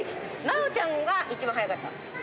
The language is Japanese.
ナオちゃんが一番早かった。